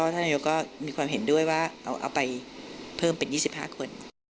ท่านนายกก็มีความเห็นด้วยว่าเอาไปเพิ่มเป็น๒๕คน